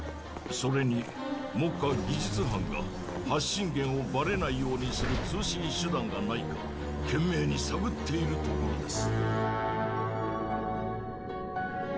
それに目下技術班が発信源をバレないようにする通信手段がないか懸命に探っているところです。